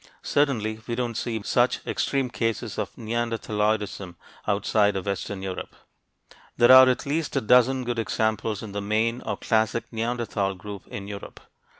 Certainly, we don't see such extreme cases of "neanderthaloidism" outside of western Europe. There are at least a dozen good examples in the main or classic Neanderthal group in Europe.